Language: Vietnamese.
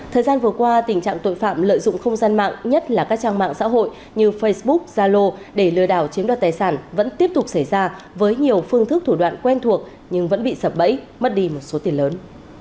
thời gian vừa qua tình trạng tội phạm lợi dụng không gian mạng nhất là các trang mạng xã hội như facebook zalo để lừa đảo chiếm đoạt tài sản vẫn tiếp tục xảy ra với nhiều phương thức thủ đoạn quen thuộc nhưng vẫn bị sập bẫy mất đi một số tiền lớn